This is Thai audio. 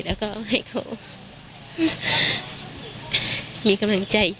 แล้วก็ให้เขามีกำลังใจ